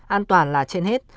an toàn là trên hết